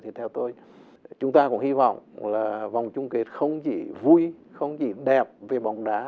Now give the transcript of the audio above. thì theo tôi chúng ta cũng hy vọng là vòng chung kết không chỉ vui không chỉ đẹp về bóng đá